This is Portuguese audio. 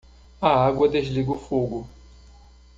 A água desliga o fogo.